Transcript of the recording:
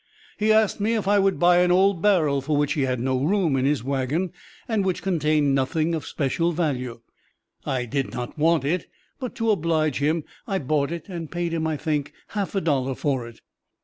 He asked me if I would buy an old barrel for which he had no room in his wagon, and which contained nothing of special value. I did not want it, but to oblige him I bought it, and paid him, I think, half a dollar for it.